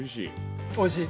おいしい？